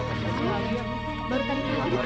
mimpi saya jangan venezia